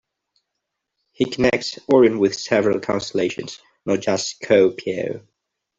He connects Orion with several constellations, not just Scorpio.